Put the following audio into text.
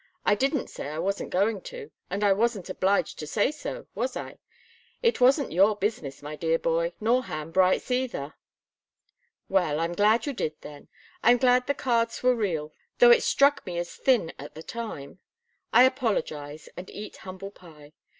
I didn't say I wasn't going to, and I wasn't obliged to say so, was I? It wasn't your business, my dear boy, nor Ham Bright's, either." "Well I'm glad you did, then. I'm glad the cards were real, though it struck me as thin at the time. I apologize, and eat humble pie.